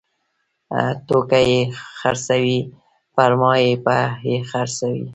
نو که یې خرڅوي پرما به یې خرڅوي